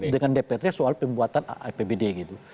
dengan dprd soal pembuatan apbd gitu